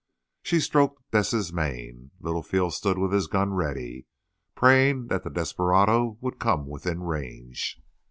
She stroked Bess's mane. Littlefield stood with his gun ready, praying that the desperado would come within range.